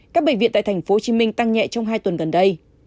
các bệnh viện tại tp hcm tăng nhẹ trong hai tuần gần đây